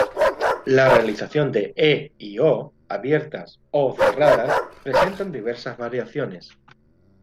La realización de "e" y "o" abiertas "o" cerradas presentan diversas variaciones.